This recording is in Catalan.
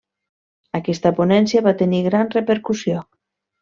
Aquesta ponència va tenir gran repercussió.